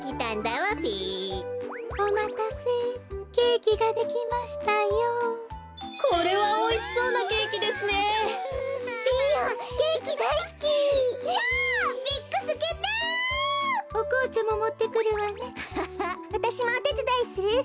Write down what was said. わたしもおてつだいする。